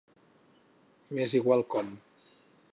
M"és igual com.